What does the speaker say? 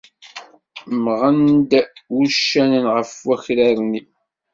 Mɣen-d wuccanen ɣef wakraren-iw.